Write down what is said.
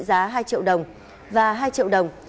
trị giá là hai triệu đồng và hai triệu đồng